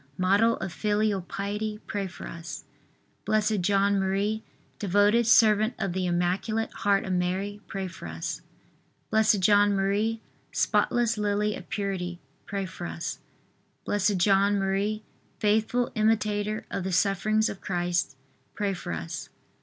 model of filial piety, pray for us. B. J. M., devoted servant of the Immaculate Heart of Mary, pray for us. B. J. M., spotless lily of purity, pray for us. B. J. M., faithful imitator of the sufferings of Christ, pray for us.